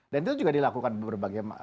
dan itu juga dilakukan berbagai